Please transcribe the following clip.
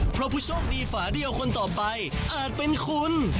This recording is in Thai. เพราะผู้โชคดีฝาเดียวคนต่อไปอาจเป็นคุณ